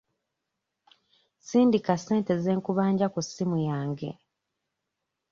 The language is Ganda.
Sindika ssente ze nkubanja ku ssimu yange.